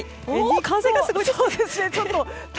風がすごいです。